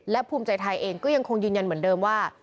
และภูมิใจไทยเองก็ยังคงยืนยันเหมือนเดิมว่า